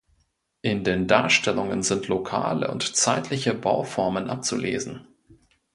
In den Darstellungen sind lokale und zeitliche Bauformen abzulesen.